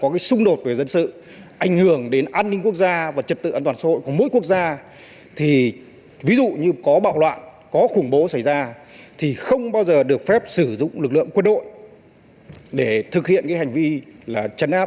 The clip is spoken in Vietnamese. không bao giờ được phép sử dụng lực lượng quân đội để thực hiện hành vi chấn áp